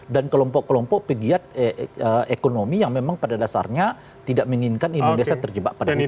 dan kelompok kelompok pegiat ekonomi yang memang pada dasarnya tidak menginginkan indonesia terjebak pada hutang